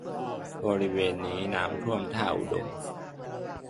บริเวณนี้น้ำท่าอุดม